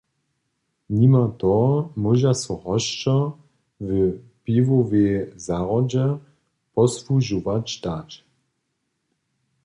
Nimo toho móža so hosćo w piwowej zahrodźe posłužować dać.